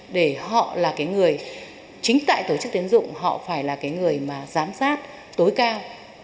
để họ là cái người chính tại tổ chức tiến dụng họ phải là cái người mà giám sát tối cao